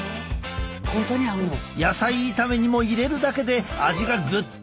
野菜炒めにも入れるだけで味がぐっと深まる。